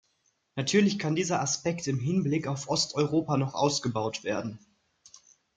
Natürlich kann dieser Aspekt im Hinblick auf Osteuropa noch ausgebaut werden.